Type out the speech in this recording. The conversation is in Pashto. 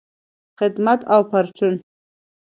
خدمت او پرچون